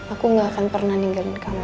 aku gak akan pernah ninggalin kamu